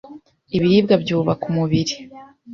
Ibiribwa byubaka umubiri